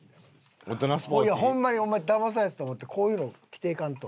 ホンマにお前だまされたと思ってこういうのを着ていかんと。